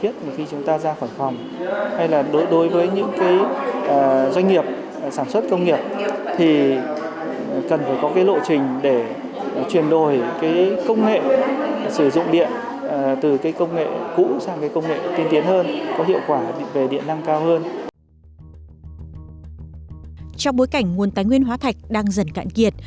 trong bối cảnh nguồn tái nguyên hóa thạch đang dần cạn kiệt